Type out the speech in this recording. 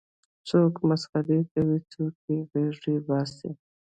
څوک مسخرې کوي څوک غېږه باسي.